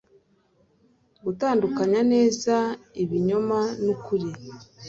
gutandukanya neza ikinyoma n'ukuri